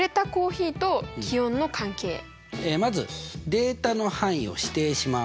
まずデータの範囲を指定します。